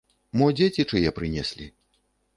Мо дзеці чые прынеслі.